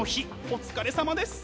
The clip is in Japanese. お疲れさまです！